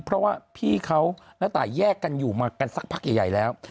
เพราะว่าพี่เขาและตายแยกกันอยู่มากันสักพักใหญ่แล้ว